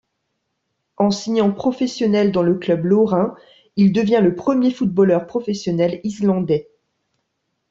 En signant professionnel dans le club lorrain, il devient le premier footballeur professionnel islandais.